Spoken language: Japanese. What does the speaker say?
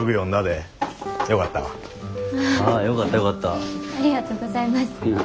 ありがとうございます。